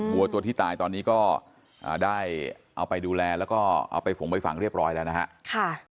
วัวตัวที่ตายตอนนี้ก็ได้เอาไปดูแลแล้วก็เอาไปฝงไปฝังเรียบร้อยแล้วนะฮะ